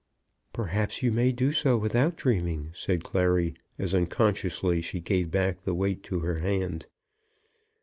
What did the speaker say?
"Perhaps you may do so without dreaming," said Clary, as unconsciously she gave back the weight to her hand.